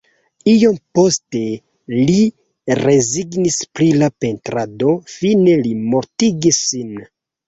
Iom poste li rezignis pri la pentrado, fine li mortigis sin.